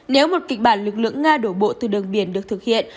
nếu một kịch bản lực lượng nga đổ bộ từ đường biển được thực hiện